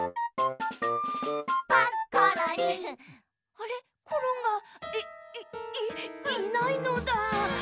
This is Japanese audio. あれコロンがいいいいないのだ！